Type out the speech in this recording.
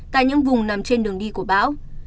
tại những vùng nằm trên đường đi của bão